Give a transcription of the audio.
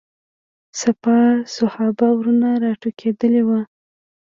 سپاه صحابه ورنه راټوکېدلي وو.